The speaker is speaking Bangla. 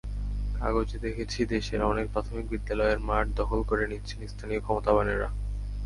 কাগজে দেখেছি, দেশের অনেক প্রাথমিক বিদ্যালয়ের মাঠ দখল করে নিচ্ছেন স্থানীয় ক্ষমতাবানেরা।